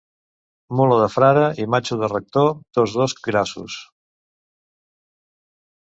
Mula de frare i matxo de rector, tots dos grassos.